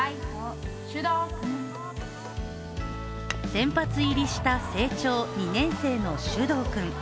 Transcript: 先発入りした、青鳥、２年生の首藤君。